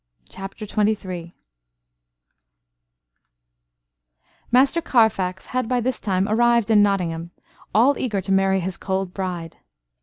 CHAPTER XXIII Master Carfax had by this time arrived in Nottingham, all eager to marry his cold bride.